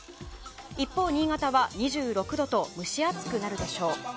一方、新潟は２６度と蒸し暑くなるでしょう。